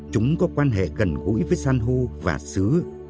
chúng có quan hệ gần gũi với san hô và sứ